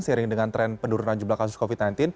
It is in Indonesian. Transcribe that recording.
seiring dengan tren penurunan jumlah kasus covid sembilan belas